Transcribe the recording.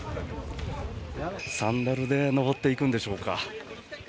サンダルで登っていくんでしょうか。